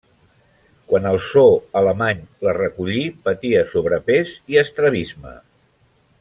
Quan el zoo alemany la recollí, patia sobrepès i estrabisme.